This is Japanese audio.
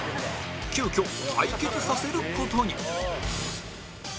急きょ対決させる事に